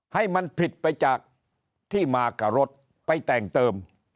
ให้มันผิดไปจากที่มากับรถไปแต่งเติม